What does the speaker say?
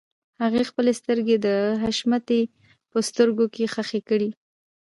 هغې خپلې سترګې د حشمتي په سترګو کې ښخې کړې.